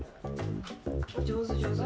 上手上手。